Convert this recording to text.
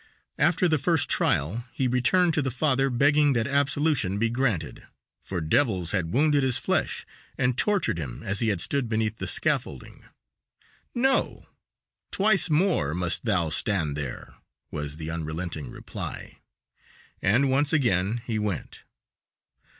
After the first trial he returned to the father, begging that absolution be granted, for devils had wounded his flesh and tortured him as he had stood beneath the scaffolding. "No, twice more must thou stand there," was the unrelenting reply, and once again he went.